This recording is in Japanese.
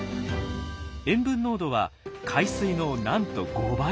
塩分濃度は海水のなんと５倍。